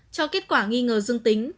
cho kết quả nghi ngờ dương tính